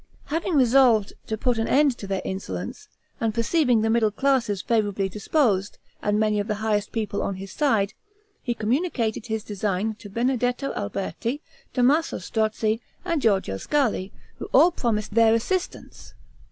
Having resolved to put an end to their insolence, and perceiving the middle classes favorably disposed, and many of the highest of the people on his side, he communicated his design to Benedetto Alberti, Tommaso Strozzi, and Georgio Scali, who all promised their assistance.